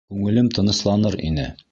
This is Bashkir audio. Күңелем тынысланыр ине!